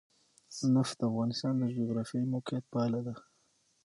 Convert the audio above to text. نفت د افغانستان د جغرافیایي موقیعت پایله ده.